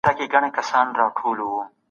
کشيشان د خلګو لارښودان وو.